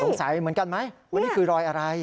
เหมือนกันไหมว่านี่คือรอยอะไร